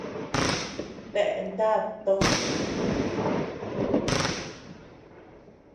¿Dae nád tò?